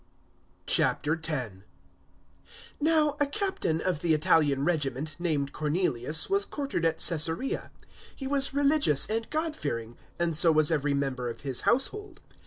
010:001 Now a Captain of the Italian Regiment, named Cornelius, was quartered at Caesarea. 010:002 He was religious and God fearing and so was every member of his household.